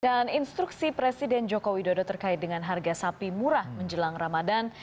dan instruksi presiden joko widodo terkait dengan harga sapi murah menjelang ramadan